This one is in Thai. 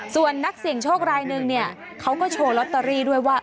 ส่วนนักเสี่ยงโชครายนึงเนี่ยเขาก็โชว์ลอตเตอรี่ด้วยว่า